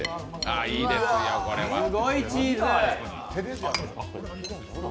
すごいチーズ！